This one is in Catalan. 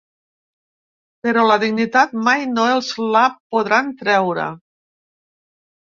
Però la dignitat mai no els la podran treure.